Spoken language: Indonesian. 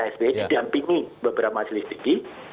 sbi didampingi beberapa selisih di